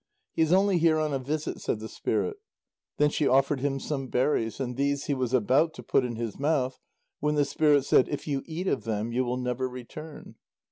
"He is only here on a visit," said the spirit. Then she offered him some berries, and these he was about to put in his mouth, when the spirit said: "If you eat of them, you will never return."